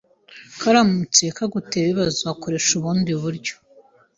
Karamutse kagutera ibibazo wakoresha ubundi buryo